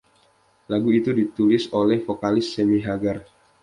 Lagu itu ditulis oleh vokalis Sammy Hagar.